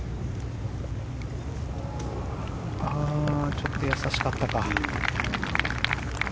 ちょっと優しかったか。